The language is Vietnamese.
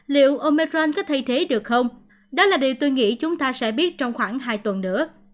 liệu omern có thay thế được không đó là điều tôi nghĩ chúng ta sẽ biết trong khoảng hai tuần nữa